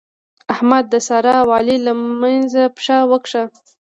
احمد د سارا او علي له منځه پښه وکښه.